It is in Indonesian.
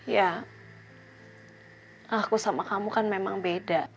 ya aku sama kamu kan memang beda